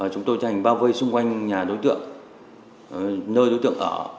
chúng tôi tranh hành bao vây xung quanh nhà đối tượng nơi đối tượng ở